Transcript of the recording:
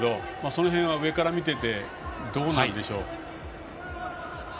その辺は上から見ていてどうなんでしょう？